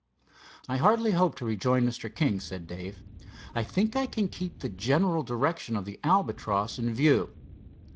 "I hardly hope to rejoin Mr. King," said Dave. "I think I can keep the general direction of the Albatross in view.